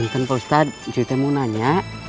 mungkin pak ustadz saya mau tanya